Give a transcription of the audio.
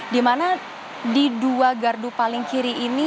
dimana di dua gardu paling kiri ini